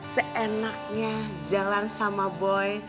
seenaknya jalan sama boy